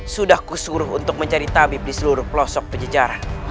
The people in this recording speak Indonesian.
sudah kusuruh untuk mencari tabib di seluruh pelosok pejajaran